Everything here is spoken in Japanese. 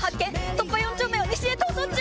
突破４丁目を西へ逃走中。